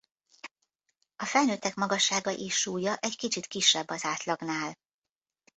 A felnőttek magassága és súlya egy kicsit kisebb az átlagnál.